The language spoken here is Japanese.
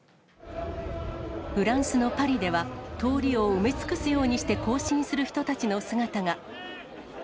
フランスのパリでは、通りを埋め尽くすようにして行進する人たちの姿が。